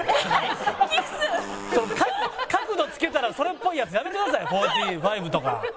角度つけたらそれっぽいやつやめてください４５とか。